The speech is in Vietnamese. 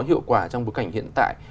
hiệu quả trong bức cảnh hiện tại